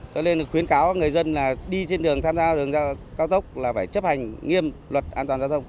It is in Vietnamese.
cho nên khuyến cáo các người dân đi trên đường cao tốc là phải chấp hành nghiêm luật an toàn giao thông